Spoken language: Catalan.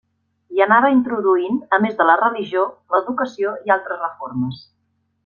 Hi anava introduint, a més de la religió, l'educació i altres reformes.